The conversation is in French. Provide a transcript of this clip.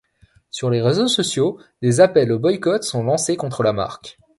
Sur les réseaux sociaux, des appels au boycott sont lancés contre la marque.